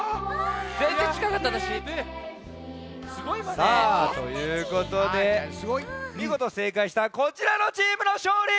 さあということでみごとせいかいしたこちらのチームのしょうり！